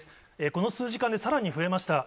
この数時間で、さらに増えました。